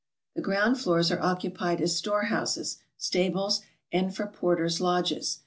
The ground floors are occupied as store houses, stables, and for porters' lodges.